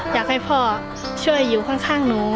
อยากให้พ่อช่วยอยู่ข้างหนู